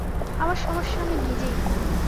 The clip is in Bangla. আমার সমস্যা আমি নিজেই।